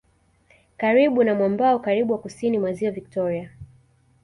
Karibu na mwambao karibu wa kusini mwa Ziwa Vivtoria